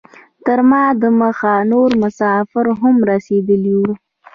تر ما دمخه نور مسافر هم رسیدلي وو.